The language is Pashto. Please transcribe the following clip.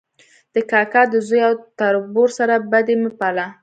د کاکا د زوی او تربور سره بدي مه پاله